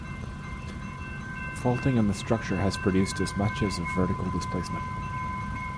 Faulting in the structure has produced as much as of vertical displacement.